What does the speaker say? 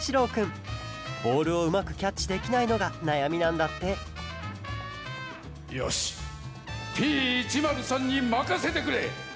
ボールをうまくキャッチできないのがなやみなんだってよしＰ１０３にまかせてくれ！